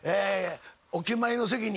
お決まりの席に。